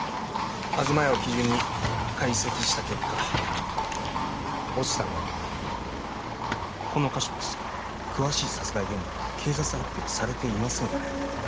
東屋を基準に解析した結果落ちたのはこの箇所でした詳しい殺害現場は警察発表されていませんよね